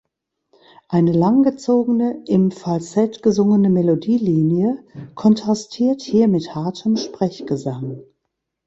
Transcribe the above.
Eine langgezogene, im Falsett gesungene Melodielinie kontrastiert hier mit hartem Sprechgesang.